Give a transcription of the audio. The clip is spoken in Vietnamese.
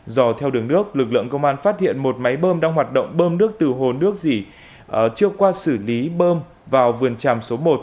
do theo đường nước lực lượng công an phát hiện một máy bơm đang hoạt động bơm nước từ hồ nước dỉ chưa qua xử lý bơm vào vườn tràm số một